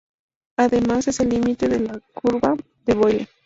Además es el límite de la curva de Boyle.